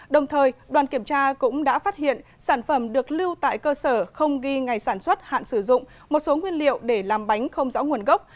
đồng thời đoàn kiểm tra cũng đã phát hiện sản phẩm được lưu tại cơ sở không ghi ngày sản xuất hạn sử dụng một số nguyên liệu để làm bánh không rõ nguồn gốc